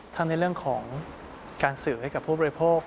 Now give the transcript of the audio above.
ทั้งในเรื่องของการสื่อให้กับผู้บริโภค